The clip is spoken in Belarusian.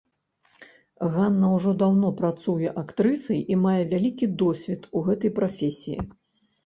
Ганна ўжо даўно працуе актрысай і мае вялікі досвед у гэтай прафесіі.